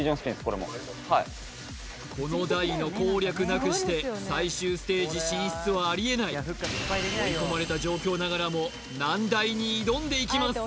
これもはいこの台の攻略なくして最終ステージ進出はありえない追い込まれた状況ながらも難台に挑んでいきます